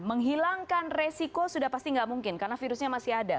menghilangkan resiko sudah pasti tidak mungkin karena virusnya masih ada